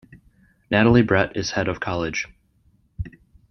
Natalie Brett is Head of College.